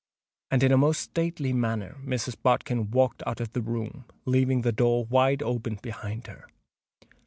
And in a most stately manner Mrs. Bodkin walked out of the room, leaving the door wide open behind her.